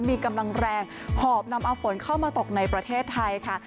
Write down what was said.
มีกำลังแรงหอบนำเอาฝนเข้ามาตกในประเทศไทยค่ะ